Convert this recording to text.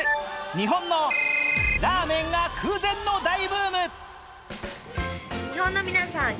日本のラーメンが空前の大ブーム。